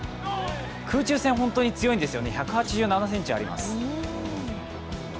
空中戦、本当に強いんですよね、１８７ｃｍあります。